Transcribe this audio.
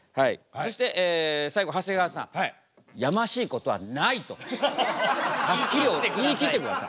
そして最後長谷川さん「やましいことはない」とはっきり言い切ってください。